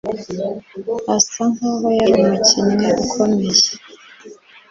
Asa nkaho yari umukinnyi ukomeye